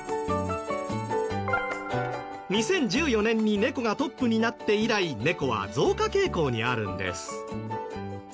２０１４年に猫がトップになって以来猫は増加傾向にあるんです。